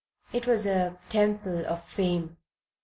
It was a Temple of Fame.